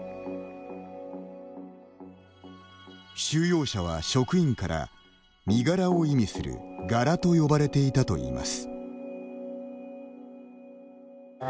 収容者は、職員から身柄を意味する「ガラ」と呼ばれていたといいます。